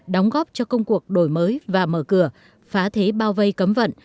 đóng góp cho công cuộc đổi mới và mở cửa phá thế bao vây cấm vận